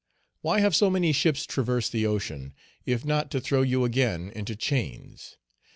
Why have so many ships traversed the ocean, if not to throw you again into chains?